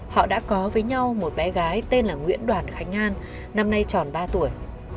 họ đã có với nhau một bé gái tên là nguyễn đoàn khánh an năm nay tròn ba tuổi